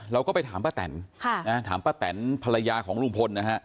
เราก็ไปถามป้าแตนถามป้าแตนภรรยาของลุงพลนะฮะ